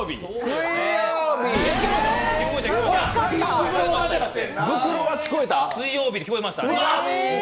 水曜日って聞こえました。